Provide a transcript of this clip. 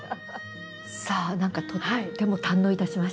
さあ何かとっても堪能いたしました。